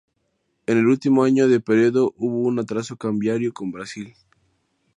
En el último año de período hubo un atraso cambiario con Brasil.